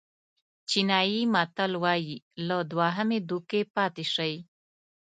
چینایي متل وایي له دوهمې دوکې پاتې شئ.